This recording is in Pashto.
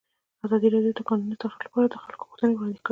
ازادي راډیو د د کانونو استخراج لپاره د خلکو غوښتنې وړاندې کړي.